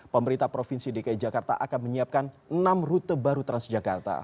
pemerintah provinsi dki jakarta akan menyiapkan enam rute baru transjakarta